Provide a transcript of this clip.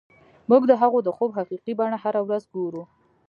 موږ د هغوی د خوب حقیقي بڼه هره ورځ ګورو